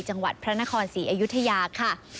จังหวัดพระนครศรีอยุธยาค่ะ